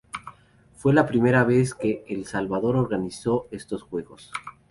Fue la primera vez que El Salvador organizó estos juegos.